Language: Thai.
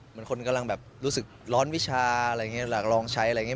เหมือนคนกำลังแบบรู้สึกร้อนวิชาอะไรอย่างนี้อยากลองใช้อะไรอย่างนี้